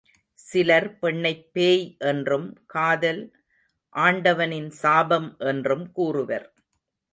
சிலர் பெண்ணைப் பேய் என்றும் காதல், ஆண்டவனின் சாபம் என்றும் கூறுவர்.